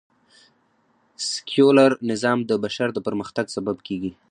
سکیولر نظام د بشر د پرمختګ سبب کېږي